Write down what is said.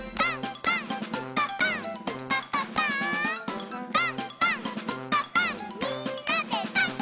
「パンパンんパパンみんなでパン！」